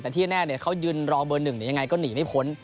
แต่ที่แน่เขายืนรอเบอร์๑ยังไงก็หนีไม่พ้น